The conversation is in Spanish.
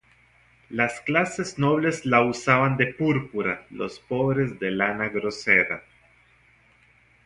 Las clases nobles la usaban de púrpura, los pobres de lana grosera.